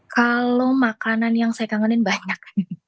kalau makanan yang saya kangenin banyak